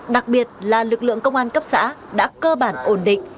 đặc biệt là lực lượng công an cấp xã đã cơ bản ổn định